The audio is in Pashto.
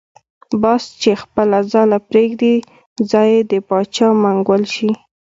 باز چی خپله ځاله پریږدی ځای یی دباچا منګول شی .